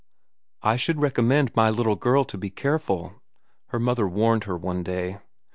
"I should recommend my little girl to be careful," her mother warned her one day.